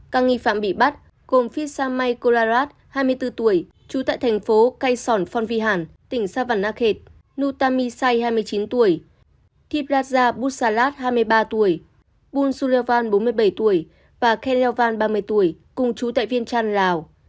các nghi phạm bị bắt gồm phitsa mai kolarat hai mươi bốn tuổi trú tại thành phố cai sòn phon vy hàn tỉnh sa văn nạ khệt nutami sai hai mươi chín tuổi thịp lát gia bút xà lát hai mươi ba tuổi bun suleovan bốn mươi bảy tuổi và khe leovan ba mươi tuổi cùng trú tại viên trăn lào